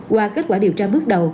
qua kết quả điều tra bước đầu